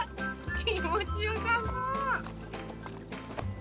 きもちよさそう！